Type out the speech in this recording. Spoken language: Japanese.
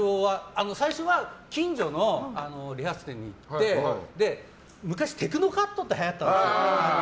最初は近所の理髪店に行って昔、テクノカットってはやったんですよ。